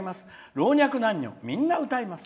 老若男女、みんな歌います。